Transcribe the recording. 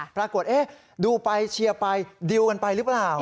ปรากฏดูไปเชียร์ไปดิวกันไปหรือเปล่า